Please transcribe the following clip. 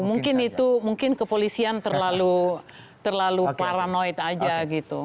mungkin itu mungkin kepolisian terlalu paranoid aja gitu